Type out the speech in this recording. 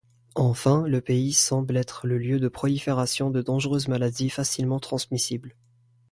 Enfin, le pays semble être le lieu de prolifération de dangereuses maladies, facilement transmissible.